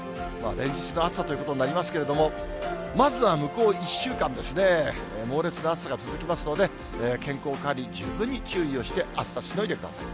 連日の暑さということになりますけれども、まずは向こう１週間ですね、猛烈な暑さが続きますので、健康管理、十分に注意をして、暑さしのいでください。